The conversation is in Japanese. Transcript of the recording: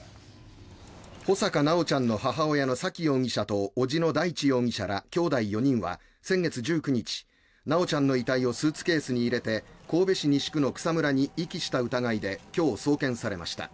穂坂修ちゃんの母親の沙喜容疑者と叔父の大地容疑者らきょうだい４人は先月１９日、修ちゃんの遺体をスーツケースに入れて神戸市西区の草むらに遺棄した疑いで今日、送検されました。